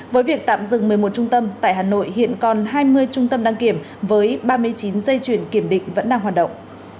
với việc tạm dừng một mươi một trung tâm tại hà nội hiện còn hai mươi trung tâm đăng kiểm với ba mươi chín dây chuyển kiểm định vẫn đang hoạt động